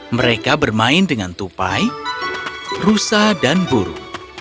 mereka bermain dengan tupai rusa dan buru